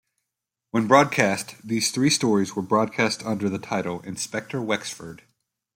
When broadcast, these three stories were broadcast under the title "Inspector Wexford".